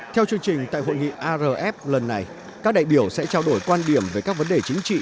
theo chương trình tại hội nghị arf lần này các đại biểu sẽ trao đổi quan điểm về các vấn đề chính trị